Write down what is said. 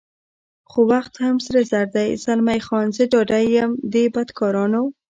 خو وخت هم سره زر دی، زلمی خان: زه ډاډه یم دې بدکارانو.